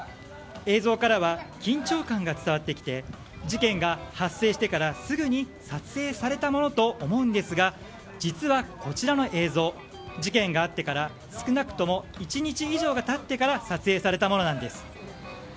映像からは緊張感が伝わってきて事件が発生してからすぐに撮影されたものと思うんですが実はこちらの映像事件があってから少なくとも１日以上が経ってから撮影されたものなんです。